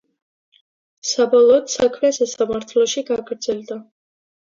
საბოლოოდ საქმე სასამართლოში გაგრძელდა.